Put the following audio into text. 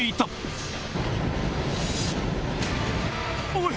⁉おい！